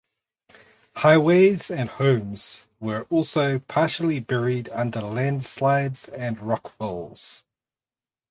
Highways and homes were also partially buried under landslides and rockfalls.